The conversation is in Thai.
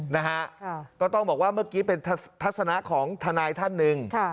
นะฮะก็ต้องบอกว่าเมื่อกี้เป็นทัศนะของทนายท่านหนึ่ง